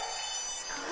すごい！